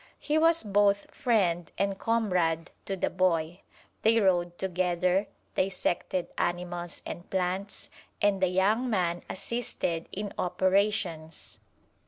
He was both friend and comrade to the boy. They rode together, dissected animals and plants, and the young man assisted in operations.